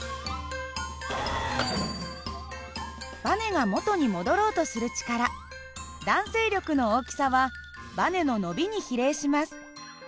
ばねが元に戻ろうとする力弾性力の大きさはばねの伸びに比例します。